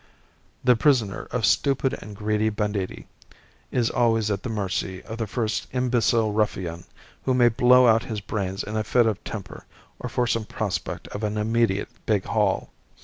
The prisoner of stupid and greedy banditti is always at the mercy of the first imbecile ruffian, who may blow out his brains in a fit of temper or for some prospect of an immediate big haul.